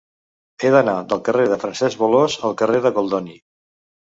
He d'anar del carrer de Francesc Bolòs al carrer de Goldoni.